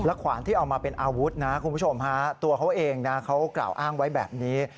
ขวานที่เอามาเป็นอาวุธนะคุณผู้ชมฮะตัวเขาเองนะเขากล่าวอ้างไว้แบบนี้